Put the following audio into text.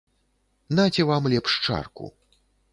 Наце вам лепш чарку.